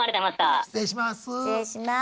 失礼します。